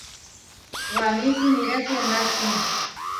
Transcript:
Waní simiré tiendáčí.